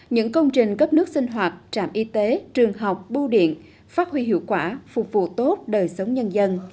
những công trình cấp nước sinh hoạt trạm y tế trường học bưu điện phát huy hiệu quả phục vụ tốt đời sống nhân dân